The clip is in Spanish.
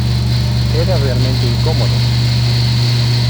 Era realmente incómodo.